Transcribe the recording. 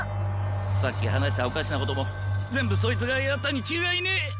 さっきはなしたおかしなこともぜんぶそいつがやったにちがいねえ！